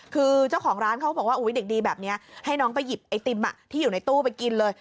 คือเจ้าของร้านเขาบอกว่าอุ๊ยเด็กดีแบบนี้ให้น้องไปหยิบไอติมที่อยู่ในตู้ไปกินเลย